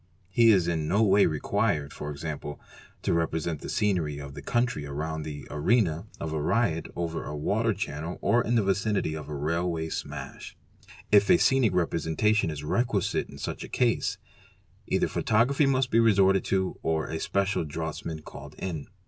He is in no way required, 57 450 DRAWING AND ALLIED ARTS e.g., to represent the scenery of the country around the arena of a riot over a water channel or in the vicinity of a railway smash. If a scenic representation is requisite in such a case, either photography must be resorted to or a special draughtsman called in.